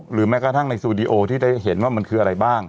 แม้กระทั่งในสตูดิโอที่ได้เห็นว่ามันคืออะไรบ้าง